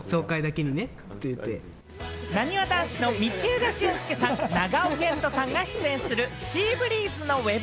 なにわ男子の道枝駿佑さん、長尾謙杜さんが出演するシーブリーズのウェブ